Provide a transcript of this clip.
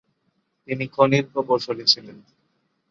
তিনি খনির প্রকৌশলী ছিলেন।